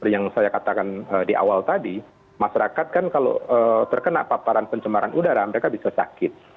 yang saya katakan di awal tadi masyarakat kan kalau terkena paparan pencemaran udara mereka bisa sakit